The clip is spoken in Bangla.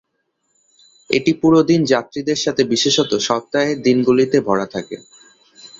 এটি পুরো দিন যাত্রীদের সাথে বিশেষত সপ্তাহের দিনগুলিতে ভরা থাকে।